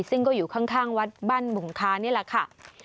ซึ่งก็อยู่ข้างวัดบ้านบุงคานี่แหละค่ะ